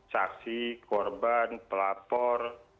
saksi korban pelapor